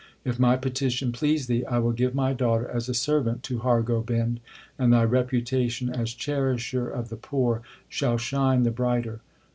If my petition please thee, I will give my daughter as a servant to Har Gobind, and thy reputation as cherisher of the poor shall shine the brighter.